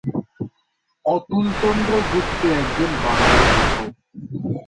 অতুলচন্দ্র গুপ্ত একজন বাঙালি লেখক।